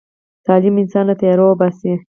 تعلیم انسان له تیارو وباسي.